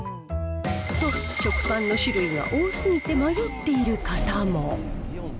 と、食パンの種類が多すぎて迷っている方も。